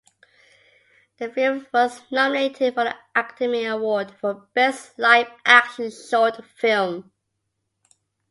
The film was nominated for the Academy Award for Best Live Action Short Film.